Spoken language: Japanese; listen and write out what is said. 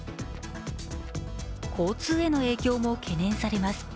交通への影響も懸念されます。